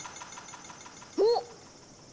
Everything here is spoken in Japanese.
おっ！